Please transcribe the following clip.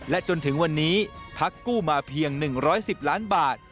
จนถึงวันนี้พักกู้มาเพียง๑๑๐ล้านบาท